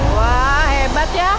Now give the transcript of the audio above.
wah hebat ya